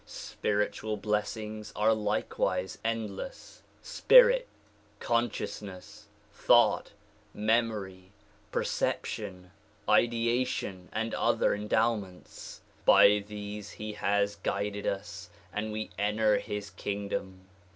Spiritual blessings are likewise endless; spirit, consciousness, thought, memory, perception, ideation and other endowments. By these he has guided us and we enter his kingdom.